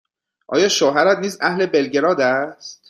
آیا شوهرت نیز اهل بلگراد است؟